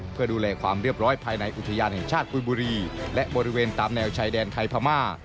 เพื่อดูแลความเรียบร้อยภายในอุทยานแห่งชาติปุยบุรีและบริเวณตามแนวชายแดนไทยพม่า